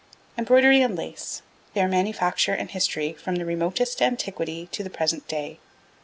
Embroidery and Lace: Their Manufacture and History from the Remotest Antiquity to the Present Day.